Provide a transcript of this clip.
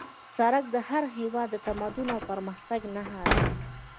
سړک د هر هېواد د تمدن او پرمختګ نښه ده